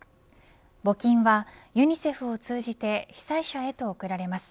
募金はユニセフを通じて被災者へと送られます。